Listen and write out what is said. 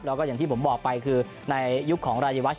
แล้วก็อย่างที่ผมบอกไปคือในยุคของรายวัช